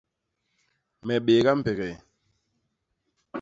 Me bééga mbegee.